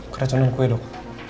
keracunan kue dok